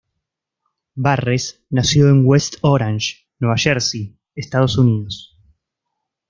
Barres nació en West Orange, Nueva Jersey, Estados Unidos.